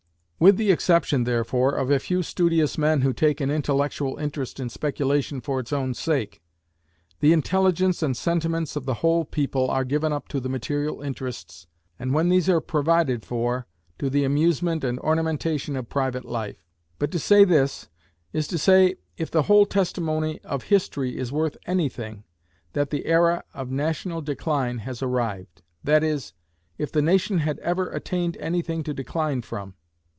With the exception, therefore, of a few studious men who take an intellectual interest in speculation for its own sake, the intelligence and sentiments of the whole people are given up to the material interests, and when these are provided for, to the amusement and ornamentation of private life. But to say this is to say, if the whole testimony of history is worth any thing, that the era of national decline has arrived; that is, if the nation had ever attained any thing to decline from.